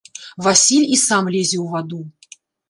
Васіль і сам лезе ў ваду.